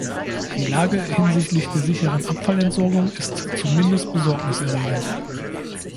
Die Lage hinsichtlich der sicheren Abfallentsorgung ist zumindest besorgniserregend.